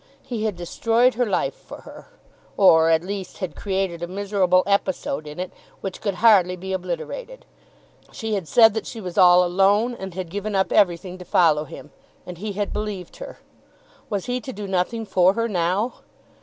He had destroyed her life for her, or, at least, had created a miserable episode in it which could hardly be obliterated. She had said that she was all alone, and had given up everything to follow him, and he had believed her. Was he to do nothing for her now?